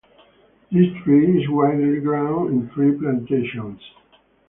This tree is widely grown in tree plantations.